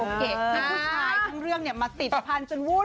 พอผู้ชายเรื่องงี้มาติดผ่านจนวุ่น